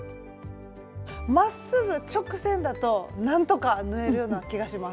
まっすぐ直線だとなんとか縫えるような気がします。